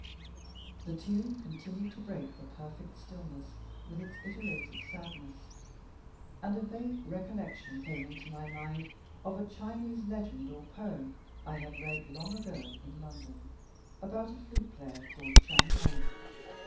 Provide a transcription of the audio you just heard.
The tune continued to break the perfect stillness with its iterated sadness, and a vague recollection came into my mind of a Chinese legend or poem I had read long ago in London, about a flute player called Chang Liang.